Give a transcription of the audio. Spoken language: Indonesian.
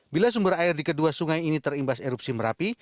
bila sumber air di kedua sungai ini terimbas erupsi merapi